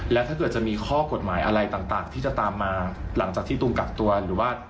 และถ้าเกิดจะมีข้อกฎหมายอะไรต่างที่จะตามมาหลังจากที่ตูมกักตัวหรือว่า